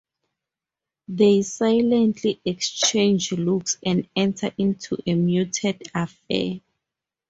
They silently exchange looks and enter into a muted affair.